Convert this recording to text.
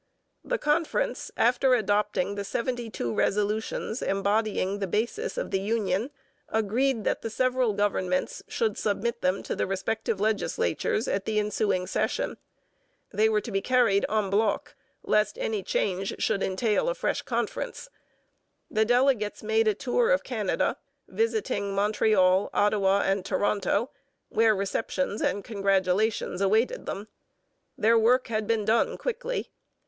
The conference, after adopting the seventy two resolutions embodying the basis of the union, agreed that the several governments should submit them to the respective legislatures at the ensuing session. They were to be carried en bloc, lest any change should entail a fresh conference. The delegates made a tour of Canada, visiting Montreal, Ottawa, and Toronto, where receptions and congratulations awaited them. Their work had been done quickly.